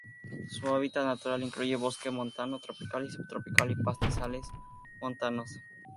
Su hábitat natural incluye bosque montano tropical y subtropical y pastizales montanos.